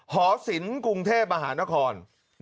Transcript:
หอสินเมืองกรุงเทพฯมหานคร